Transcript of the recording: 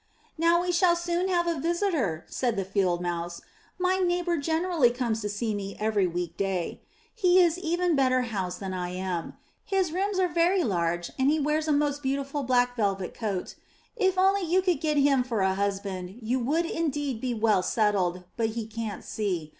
"Now we shall soon have a visitor," said the Field Mouse; "my neighbour generally comes to see me every week day. He is even better housed than I am; 420 UP ONE PAIR OF STAIRS his rooms are very large and he wears a most beautiful black velvet coat; if only you could get him for a husband you would indeed be well settled, but he can*t see.